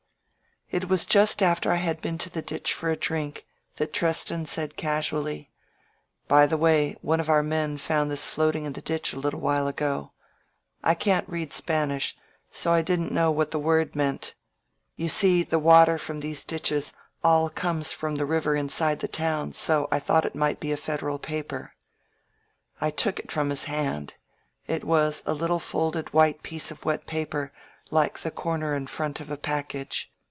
... It was just after I had been to the ditch for a drink that Treston said casually: "By the way, one of our men found this floating in the ditch a little while ago. I can't read Spanish, so I didn't know what the word 233 INSURGENT MEXICO meant. You see the water from these ditches all comes from the river inside the town, so I thought it might be a Federal paper." I took it from his hand. It was a little folded white piece of wet paper, like the corner and front of a package.